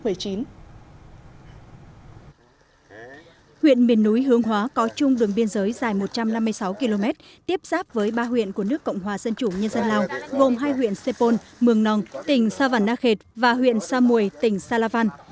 huyện miền núi hương hóa có chung đường biên giới dài một trăm năm mươi sáu km tiếp giáp với ba huyện của nước cộng hòa dân chủ nhân dân lào gồm hai huyện sê pôn mường nòng tỉnh sa văn na khệt và huyện sa mùi tỉnh sa la van